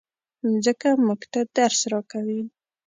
مځکه موږ ته درس راکوي.